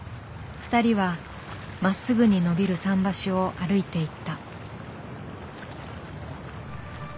２人はまっすぐにのびる桟橋を歩いていった。